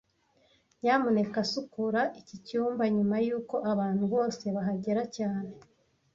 Nyamuneka sukura iki cyumba nyuma yuko abantu bose bahagera cyane